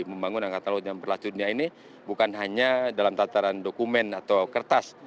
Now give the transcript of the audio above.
membangun angkatan laut yang berlacu dunia ini bukan hanya dalam tataran dokumen atau kertas